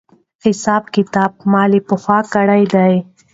حساب کتاب مې له پخوا کړی دی.